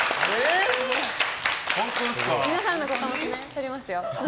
皆さんのことも撮りますよ。